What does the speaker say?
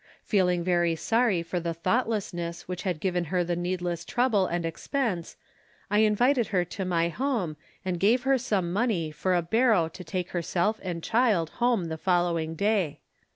Feeling very sorry for the thoughtlessness which had given her the needless trouble and expense I invited her to my home and gave her some money for a barrow to take herself and child home the following day.